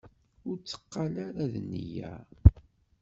Ur tteqqal ara d nneyya!